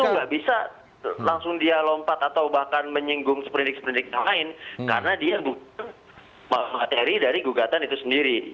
itu nggak bisa langsung dia lompat atau bahkan menyinggung seperindik seperindik yang lain karena dia bukan materi dari gugatan itu sendiri